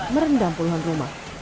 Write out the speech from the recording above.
merendam puluhan rumah